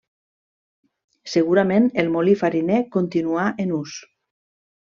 Segurament el molí fariner continuà en ús.